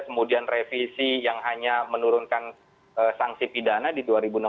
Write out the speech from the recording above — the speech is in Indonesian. kemudian revisi yang hanya menurunkan sanksi pidana di dua ribu enam belas